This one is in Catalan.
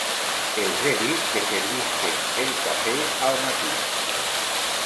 Els he dit que servisquen el café al matí.